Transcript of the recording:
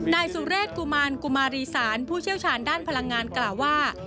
นายสุเรศกุมารกุมารีสารผู้เชี่ยวชาญด้านพลังงานกล่าวว่า